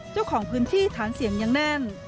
เจ้าของพื้นที่ฐานเสียงยังแน่น